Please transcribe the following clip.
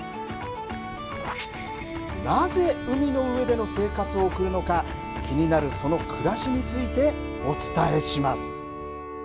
なぜ海の上での生活を送るのか気になるその暮らしについてお伝えします。